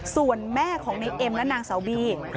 ส่วนแม่ของนาฬิตเอกมและนางเหล่าบี